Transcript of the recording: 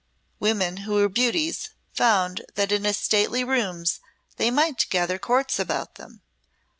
Women who were beauties found that in his stately rooms they might gather courts about them.